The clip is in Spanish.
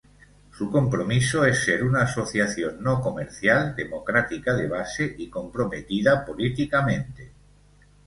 Su compromiso es ser una asociación no comercial, democrática de base y comprometida políticamente.